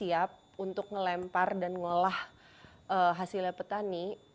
kita siap untuk ngelempar dan ngelah hasilnya petani